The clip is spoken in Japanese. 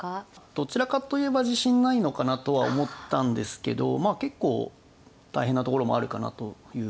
どちらかといえば自信ないのかなとは思ったんですけどまあ結構大変なところもあるかなというぐらいの感触でした。